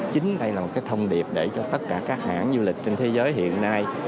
chính đây là một thông điệp để cho tất cả các hãng du lịch trên thế giới hiện nay